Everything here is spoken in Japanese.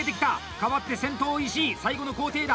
代わって先頭、石井最後の工程だ！